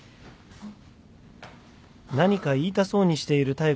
あっ。